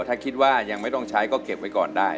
ถ้าคิดว่ายังไม่ต้องใช้ก็เก็บไว้ก่อนได้